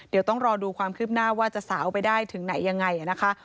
เดี๋ยวต้องรอดูความคืบหน้าว่าจะสาวไปได้ถึงไหนยังไงนะคะ